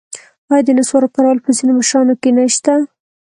آیا د نصوارو کارول په ځینو مشرانو کې نشته؟